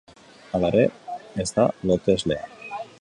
Halere, ez da loteslea.